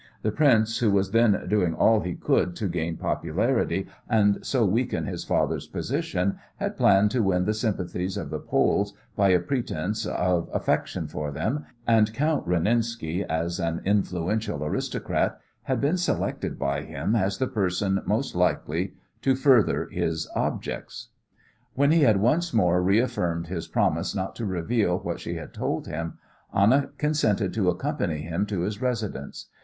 The prince, who was then doing all he could to gain popularity, and so weaken his father's position, had planned to win the sympathies of the Poles by a pretence of affection for them, and Count Renenski, as an influential aristocrat, had been selected by him as the person most likely to further his objects. When he had once more reaffirmed his promise not to reveal what she had told him, Anna consented to accompany him to his residence.